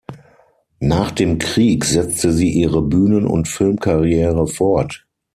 Nach dem Krieg setzte sie ihre Bühnen- und Filmkarriere fort.